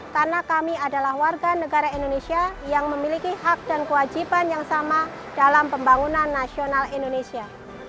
karena kami adalah warga negara indonesia yang memiliki hak dan kewajiban yang sama dalam pembangunan nasional indonesia